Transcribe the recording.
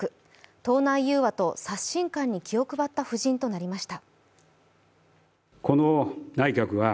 党内融和と刷新感に気を配った布陣となりました。